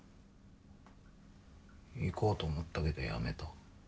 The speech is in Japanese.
行こうと思ったけどやめた。